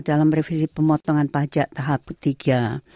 dalam revisi pemotongan pajak tahap ketiga